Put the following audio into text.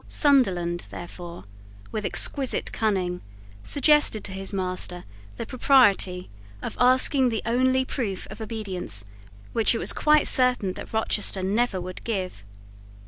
Sunderland, therefore, with exquisite cunning, suggested to his master the propriety of asking the only proof of obedience which it was quite certain that Rochester never would give.